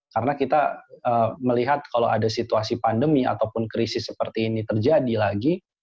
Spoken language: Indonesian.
karena kita melihat kalau ada situasi pandemi ataupun krisis seperti ini terjadi lagi